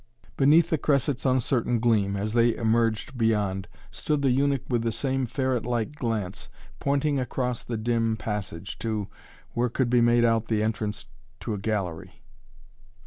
Beneath the cressets' uncertain gleam, as they emerged beyond, stood the eunuch with the same ferret like glance, pointing across the dim passage, to, where could be made out the entrance to a gallery.